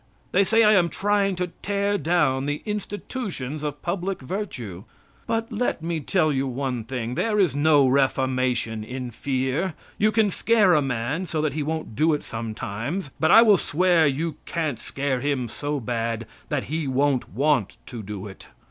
They say I am trying to tear down the institutions of public virtue. But let me tell you one thing: there is no reformation in fear you can scare a man so that he won't do it sometimes, but I will swear you can't scare him so bad that he won't want to do it.